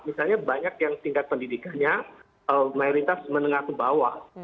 misalnya banyak yang tingkat pendidikannya mayoritas menengah ke bawah